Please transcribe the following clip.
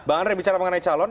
bang andre bicara mengenai calon